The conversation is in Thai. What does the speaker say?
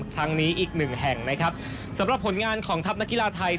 ครั้งนี้อีกหนึ่งแห่งนะครับสำหรับผลงานของทัพนักกีฬาไทย